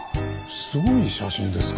すごい写真ですか？